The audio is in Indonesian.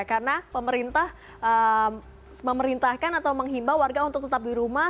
karena pemerintah memerintahkan atau menghimbau warga untuk tetap di rumah